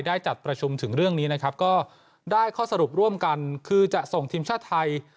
จัดประชุมถึงเรื่องนี้นะครับก็ได้ข้อสรุปร่วมกันคือจะส่งทีมชาติไทย